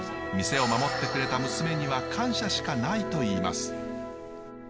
店を守ってくれた娘には感謝しかないといいます。